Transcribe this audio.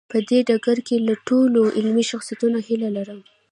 په دې ډګر کې له ټولو علمي شخصیتونو هیله لرم.